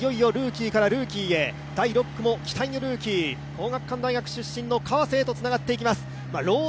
いよいよルーキーからルーキーへ、第６区も期待のルーキーの川瀬へとつながっていきます。